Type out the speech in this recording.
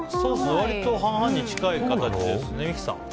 割と半々に近い形ですね三木さん。